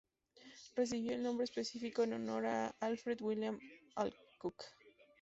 Recibió el nombre específico en honor a Alfred William Alcock.